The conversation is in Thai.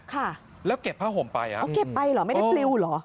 ค่ะแล้วเก็บผ้าผมไปเอ้าเก็บไปเหรอไม่ได้หรอ